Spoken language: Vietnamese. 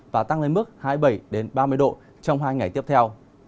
và tăng lên mức hai mươi bảy ba mươi độ trong hai ngày tiếp theo